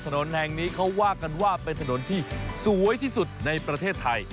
ถนนแห่งนี้เขาว่ากันว่าเป็นถนนที่สวยที่สุดในประเทศไทย